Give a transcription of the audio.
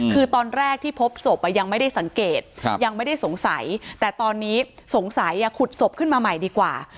คือตอนแรกที่พบศพยังไม่ได้สังเกตยังไม่ได้สงสัยแต่ตอนนี้สงสัยขุดศพขึ้นมาใหม่ดีกว่า